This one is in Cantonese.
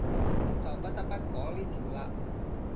就不得不講呢條喇